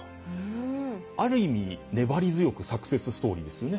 ある意味粘り強くサクセスストーリーですよね。